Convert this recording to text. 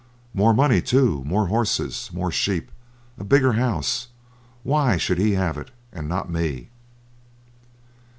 'More money too, more horses, more sheep, a bigger house! Why should he have it and not me?'